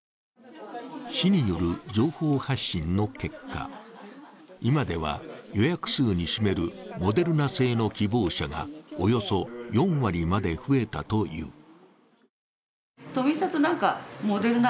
市による情報発信の結果、今では、予約数に占めるモデルナ製の希望者がおよそ４割まで増えたという。